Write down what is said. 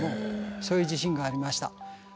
そういう地震がありました。